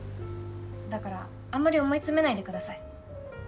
だからあんまり思い詰めないでください。